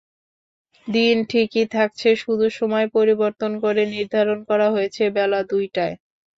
দিন ঠিকই থাকছে, শুধু সময় পরিবর্তন করে নির্ধারণ করা হয়েছে বেলা দুইটায়।